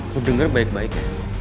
lo denger baik baik ya